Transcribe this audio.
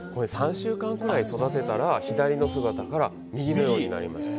３週間ぐらい育てたら左の姿から右のようになります。